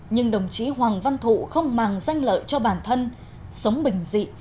nhưng đồng chí hoàng văn thụ không màng danh lợi cho bản thân sống bình dị